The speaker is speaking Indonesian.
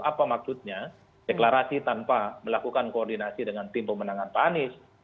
apa maksudnya deklarasi tanpa melakukan koordinasi dengan tim pemenangan pak anies